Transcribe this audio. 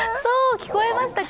聞こえましたか？